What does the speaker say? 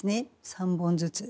３本ずつ。